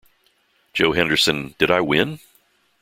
Joe Henderson, Did I win?